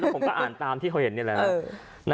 ผมก็อ่านตามที่เขาเห็นนี่แหละ